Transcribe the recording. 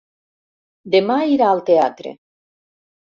Demà irà al teatre.